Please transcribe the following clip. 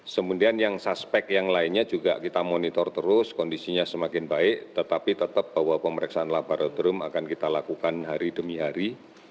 kemudian yang suspek yang lainnya juga kita monitor terus kondisinya semakin baik tetapi tetap bahwa pemeriksaan laboratorium akan kita lakukan hari demi hari